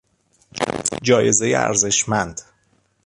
جایزهی ارزشمند